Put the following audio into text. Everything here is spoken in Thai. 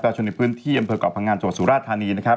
ประชุมในพื้นที่อำเภอกเกาะภังงานจวดสุราษฎร์ธานีนะครับ